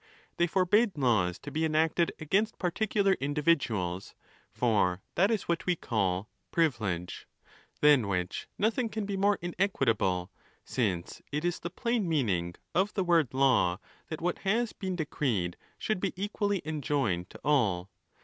They forbade laws to be enacted against particular individuals, for that is what we call " privilege," than which nothing can be more inequitable; since it is the plain meaning of the word law, that what has been decreed should be equally enjoined to all.